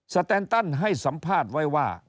แตนตันให้สัมภาษณ์ไว้ว่า